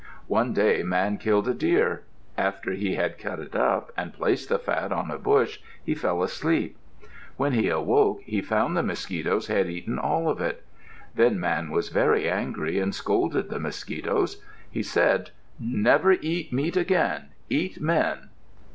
One day Man killed a deer. After he had cut it up and placed the fat on a bush, he fell asleep. When he awoke he found the mosquitoes had eaten all of it. Then Man was very angry and scolded the mosquitoes. He said, "Never eat meat again. Eat men."